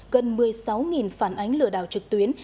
gần một mươi sáu phản ánh lừa đảo trực tuyến